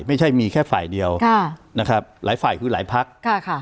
ไม่ใช่มีแค่ฝ่ายเดียวค่ะนะครับหลายฝ่ายคือหลายพักค่ะค่ะ